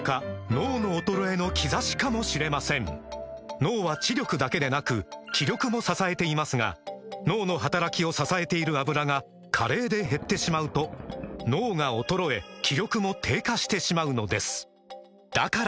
脳の衰えの兆しかもしれません脳は知力だけでなく気力も支えていますが脳の働きを支えている「アブラ」が加齢で減ってしまうと脳が衰え気力も低下してしまうのですだから！